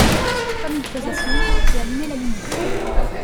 comme il faisait sombre, j'ai allumé la lumière.